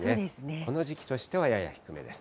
この時期としてはやや低めです。